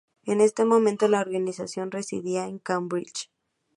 En este momento la organización residía en Cambridge.